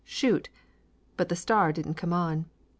Shoot!" but the star didn't come on.